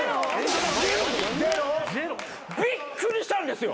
びっくりしたんですよ。